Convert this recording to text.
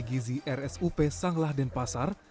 gizi rsup sanglah denpasar